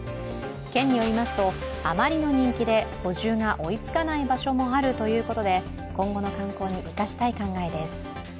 県によりますとあまりの人気で補充が追いつかない場所もあるということで今後の観光に生かしたい考えです。